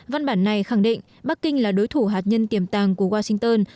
văn bản này khẳng định bắc kinh là đối thủ hạt nhân tiềm tàng của washington